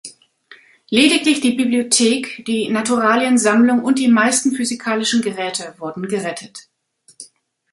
Lediglich die Bibliothek, die Naturaliensammlung und die meisten physikalischen Geräte wurden gerettet.